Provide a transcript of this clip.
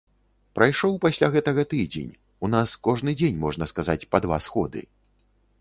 Прайшоў пасля гэтага тыдзень, у нас кожны дзень, можна сказаць, па два сходы.